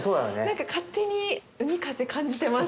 何か勝手に海風感じてます。